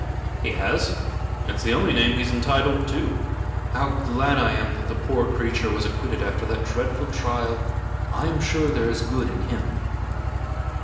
"He has. It's the only name he is entitled to. How glad I am that the poor creature was acquitted after that dreadful trial. I am sure there is good in him."